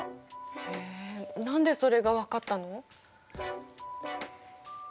へえ何でそれが分かったの？